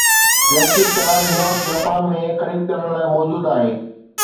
electric car هن وقت Japan ۾ خريد ڪرڻ لاءِ موجود آهي